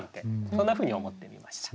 そんなふうに思ってみました。